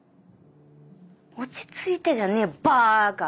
「落ち着いて」じゃねえよバカ！